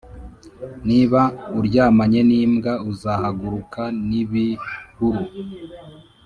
niba uryamanye n'imbwa, uzahaguruka n'ibihuru